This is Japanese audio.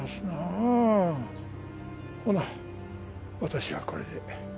ほな私はこれで。